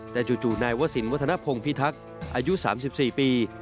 แต่จู่นายวสินวัฒนภงพิทักษ์อายุ๓๔ปี